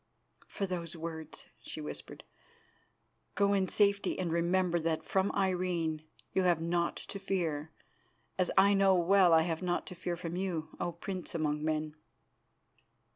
"For those words," she whispered, "go in safety, and remember that from Irene you have naught to fear, as I know well I have naught to fear from you, O Prince among men."